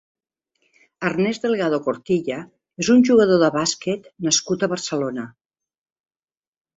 Ernest Delgado Cortilla és un jugador de bàsquet nascut a Barcelona.